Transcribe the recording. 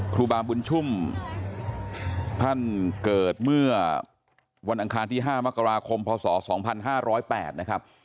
ครูบาบุญชุ่มท่านเกิดเมื่อวันอังคารที่๕มกราคมพศ๒๕๐๘นะครับ